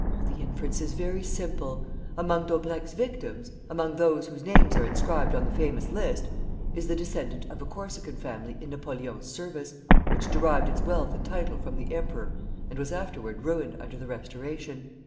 "The inference is very simple. Among Daubrecq's victims, among those whose names are inscribed on the famous list, is the descendant of a Corsican family in Napoleon's service, which derived its wealth and title from the emperor and was afterward ruined under the Restoration.